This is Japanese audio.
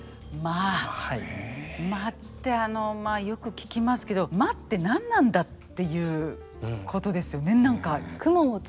間ってまあよく聞きますけど間って何なんだっていうことですよね何か。